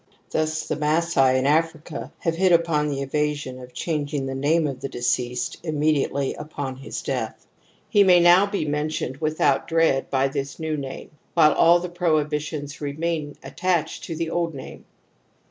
Thus th^ Masai in Africa have hit upon the evasion of changing the name of the deceased inmiediately upon his death ; he may now be mentioned without dread by this new name, while all the prohibitions remain attached to the old name.